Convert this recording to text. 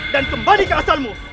dan kembali ke asalmu